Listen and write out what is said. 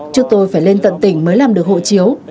trước tôi phải lên tận tỉnh mới làm được hộ chiếu